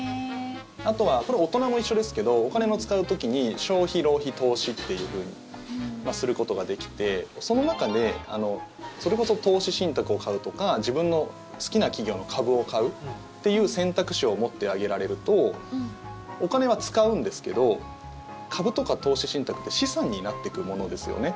あとは、大人も一緒ですけどお金を使う時に消費、浪費、投資というふうにすることができてその中でそれこそ投資信託を買うとか自分の好きな企業の株を買うという選択肢を持ってあげられるとお金は使うんですけど株とか投資信託って資産になってくものですよね。